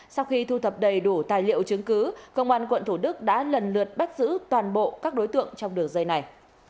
sau khi thu thập đầy đủ tài liệu chứng cứ công an quận thủ đức đã lần lượt bắt giữ toàn bộ các đối tượng trong đường dây này